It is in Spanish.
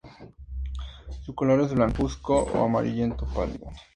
Su color es blancuzco o amarillento pálido.